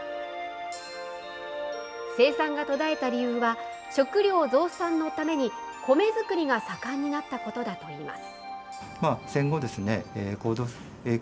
生産が途絶えた理由は、食料増産のために、米作りが盛んになったことだといいます。